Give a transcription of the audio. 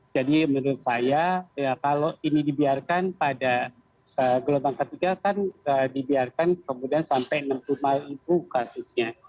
jadi menurut saya kalau ini dibiarkan pada gelombang ketiga kan dibiarkan kemudian sampai enam puluh kasusnya